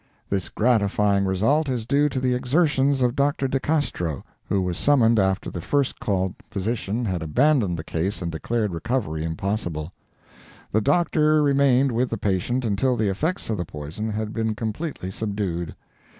This gratifying result is due to the exertions of Dr. De Castro, who was summoned after the first called physician had abandoned the case and declared recovery impossible. The Doctor remained with the patient until the effects of the poison had been completely subdued.